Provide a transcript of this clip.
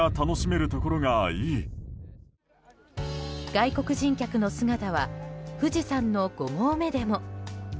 外国人客の姿は富士山の五合目でも。